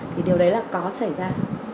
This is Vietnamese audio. thì điều đấy là có xảy ra